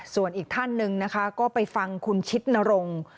ส่วนอีกท่านหนึ่งนะคะก็ไปฟังคุณชิดนรงค์